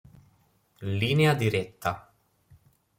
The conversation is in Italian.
Linea diretta